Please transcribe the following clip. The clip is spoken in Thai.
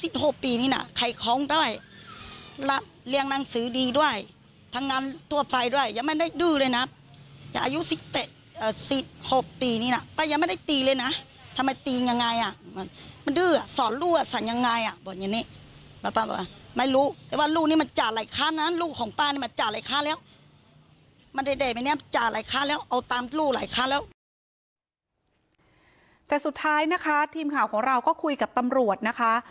แต่สุดท้ายนะคะทีมข่าวของเราก็คุยกับตำรวจนะคะ